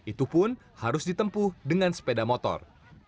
itu pun harus ditempuh dengan sepeda motor